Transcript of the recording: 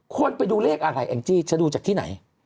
คนไปดูเลขอะไรแองจี้จะดูจากที่ไหน